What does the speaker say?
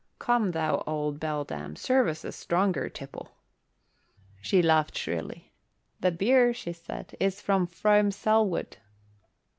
Come, thou old beldame, serve us a stronger tipple." She laughed shrilly. "The beer," said she, "is from Frome Selwood."